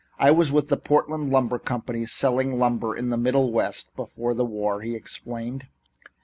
"I was with the Portland Lumber Company, selling lumber in the Middle West before the war," he explained.